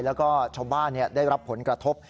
แล้วก็ชาวบ้านได้รับผลกระทบ